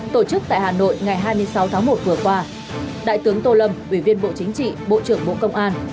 tổ chức tại hà nội ngày hai mươi sáu tháng một vừa qua đại tướng tô lâm ủy viên bộ chính trị bộ trưởng bộ công an